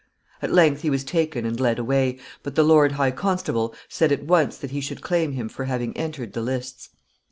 At length he was taken and led away; but the lord high constable said at once that he should claim him for having entered the lists.